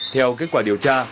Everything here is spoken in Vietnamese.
theo kết quả điều tra